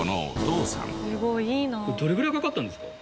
どれぐらいかかったんですか？